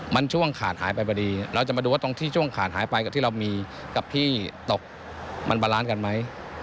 มันช่วงขาดหายไปพอดีเราจะมาดูว่าตรงที่ช่วงขาดหายไปกับที่เรามีกับที่ตกมันบาลานซ์กันไหม